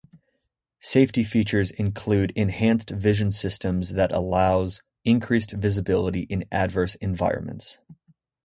Safety features include Enhanced Vision Systems that allows increased visibility in adverse environments.